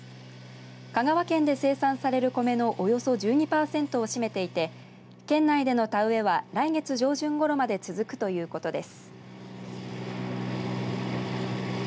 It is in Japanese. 香川県で生産される米のおよそ１２パーセントを占めていて県内での田植えは来月上旬ごろまで続くということです。